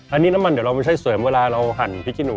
อันนี้น้ำมันเดี๋ยวเราไม่ใช่เสริมเวลาเราหั่นพริกขี้หนู